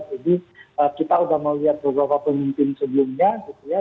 jadi kita sudah melihat beberapa pemimpin sebelumnya gitu ya